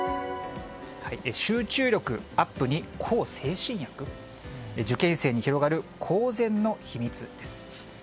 集中力アップに向精神薬？受験生に広がる公然の秘密です。